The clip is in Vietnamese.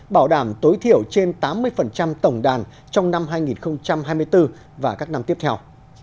bảo đảm tối thiểu trên tám mươi tổng đàn trong năm hai nghìn hai mươi bốn và các năm tiếp theo